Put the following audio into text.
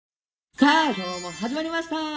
さあ今日も始まりました。